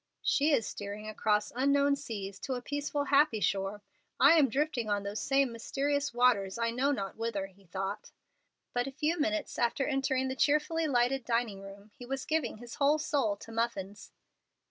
"She is steering across unknown seas to a peaceful, happy shore. I am drifting on those same mysterious waters I know not whither," he thought. But a few minutes after entering the cheerfully lighted dining room he was giving his whole soul to muffins.